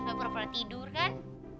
udah pura pura tidur kan